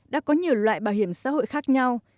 đã có nhiều loại bảo hiểm xã hội khác nhau